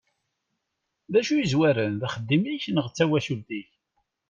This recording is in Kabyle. D acu i yezwaren, d axeddim-ik neɣ d tawacult-ik?